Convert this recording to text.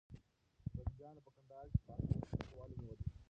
غلجیانو په کندهار کې پاڅون ته چمتووالی نیولی و.